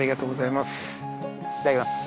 いただきます。